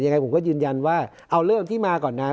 ยังไงผมก็ยืนยันว่าเอาเริ่มที่มาก่อนนะ